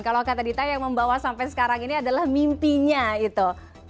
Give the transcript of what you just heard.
kalau kata dita yang membawa sampai sekarang ini adalah mimpinya itu